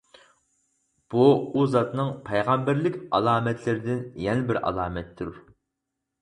بۇ ئۇ زاتنىڭ پەيغەمبەرلىك ئالامەتلىرىدىن يەنە بىر ئالامەتتۇر.